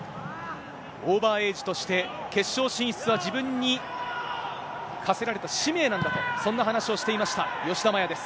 オーバーエイジとして、決勝進出は自分に課せられた使命なんだと、そんな話をしていました、吉田麻也です。